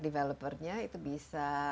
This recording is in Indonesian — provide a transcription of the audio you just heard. developernya itu bisa